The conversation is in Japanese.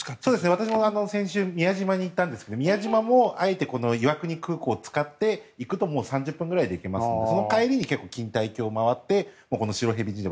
私も先週宮島に行ったんですが宮島もあえて岩国空港を使うと３０分ぐらいで行けますので帰りに錦帯橋を回ってこの白蛇神社